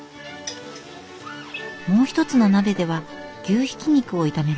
もう一つの鍋では牛ひき肉を炒めます。